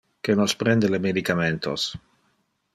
Que nos prende le medicamentos.